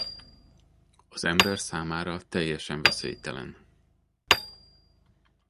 Az ember számára teljesen veszélytelen.